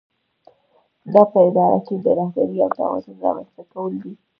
دا په اداره کې د رهبرۍ او توازن رامنځته کول دي.